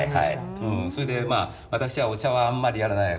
それでまあ私はお茶はあんまりやらない。